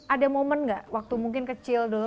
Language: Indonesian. ada momen gak waktu mungkin kecil dulu